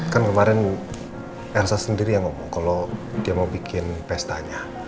kan kemarin elsa sendiri yang ngomong kalau dia mau bikin pestanya